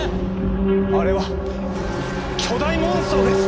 あれは巨大モンストロです！